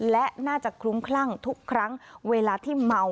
และน่าจะคลุ้มคลั่งทุกครั้งเวลาที่เมา